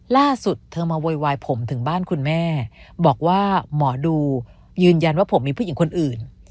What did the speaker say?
ล่าสุดเธอมาโวยวายผมถึงบ้านคุณแม่บอกว่าหมอดูยืนยันว่าผมมีผู้หญิงคนอื่น